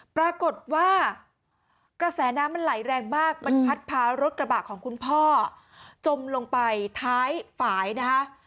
ปรากฏว่ากระแสน้ำมันไหลแรงมากมันพัดพารถกระบะของคุณพ่อจมลงไปท้ายฝ่ายนะคะ